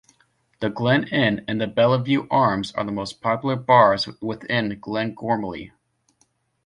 The Glen Inn and the Bellevue Arms are the most popular bars within Glengormley.